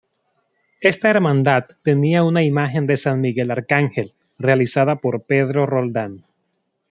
Esta hermandad tenía una imagen de San Miguel Arcángel, realizada por Pedro Roldán.